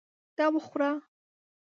دا وخوره !